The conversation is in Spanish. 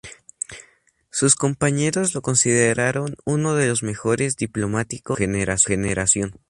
Sus compañeros lo consideraron uno de los mejores diplomáticos de su generación.